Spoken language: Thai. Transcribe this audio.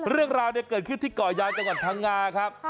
เรื่องราวเกิดขึ้นที่ก่อยายจังหวัดพังงาครับ